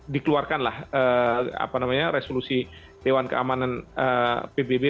dikeluarkanlah resolusi dewan keamanan pbb